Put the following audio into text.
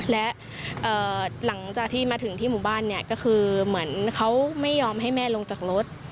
และหลังจากที่มาถึงที่หมู่บ้านเนี่ยก็คือเหมือนเขาไม่ยอมให้แม่ลงจากรถ